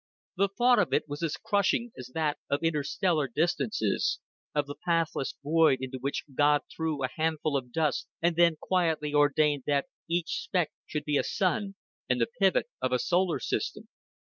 The thought of it was as crushing as that of interstellar distances, of the pathless void into which God threw a handful of dust and then quietly ordained that each speck should be a sun and the pivot of a solar system.